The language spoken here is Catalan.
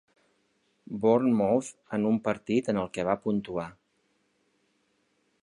Bournemouth en un partit en el que va puntuar.